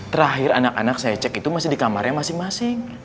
terakhir anak anak saya cek itu masih di kamarnya masing masing